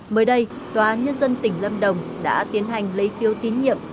mới đây tòa nhân dân tỉnh lâm đồng đã tiến hành lấy phiếu tín nhiệm